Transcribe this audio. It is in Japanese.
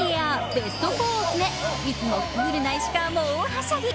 ベスト４を決めいつもクールな石川も大はしゃぎ。